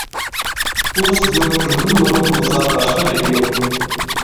ئۇ سىزنىڭ تېلېفون نومۇرىڭىز بولسا باشقا گەپ يوق.